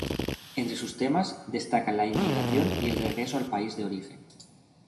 Entre sus temas destacan la inmigración y el regreso al país de origen.